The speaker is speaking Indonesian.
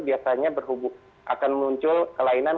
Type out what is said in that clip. biasanya akan muncul kelajuan